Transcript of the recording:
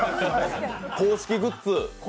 公式グッズ